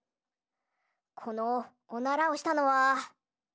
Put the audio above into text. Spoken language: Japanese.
このおならをしたのは。